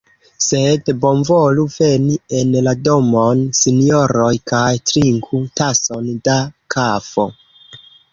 Sed bonvolu veni en la domon, sinjoroj, kaj trinku tason da kafo!